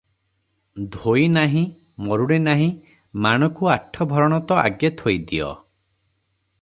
ଧୋଇ ନାହିଁ, ମରୁଡ଼ି ନାହିଁ ମାଣକୁ ଆଠଭରଣ ତ ଆଗେ ଥୋଇଦିଅ ।